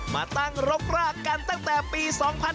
มาตั้งรกรากกันตั้งแต่ปี๒๕๕๙